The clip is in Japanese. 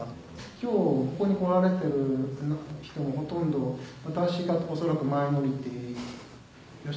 今日ここに来られてる人ほとんど私が恐らくマイノリティー。